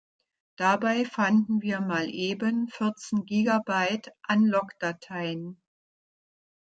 Dabei fanden wir mal eben vierzehn Gigabyte an Log-Dateien.